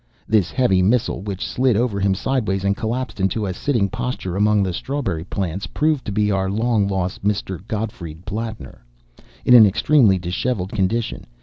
This heavy missile, which slid over him sideways and collapsed into a sitting posture among the strawberry plants, proved to be our long lost Mr. Gottfried Plattner, in an extremely dishevelled condition.